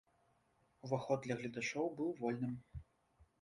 Уваход для гледачоў быў вольным.